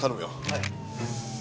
はい。